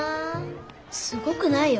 すごくないよ。